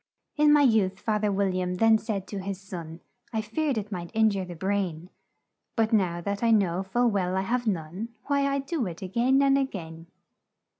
"'In my youth,' Fath er Wil liam then said to his son, 'I feared it might in jure the brain; But now that I know full well I have none, Why, I do it a gain and a gain.'